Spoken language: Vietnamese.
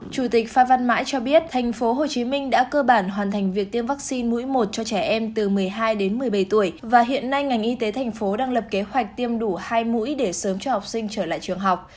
chủ tịch phan văn mãi cho biết tp hcm đã cơ bản hoàn thành việc tiêm vaccine mũi một cho trẻ em từ một mươi hai đến một mươi bảy tuổi và hiện nay ngành y tế thành phố đang lập kế hoạch tiêm đủ hai mũi để sớm cho học sinh trở lại trường học